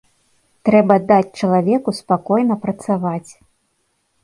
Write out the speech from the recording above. Трэба даць чалавеку спакойна працаваць.